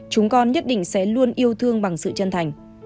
chúng con nhất định sẽ luôn yêu thương bằng sự chân thành